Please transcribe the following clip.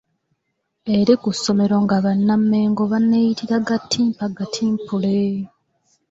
Eri ku ssomero nga Banna Mmengo banneeyitira Gattimpa Gatimpule.